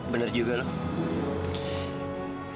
bener juga loh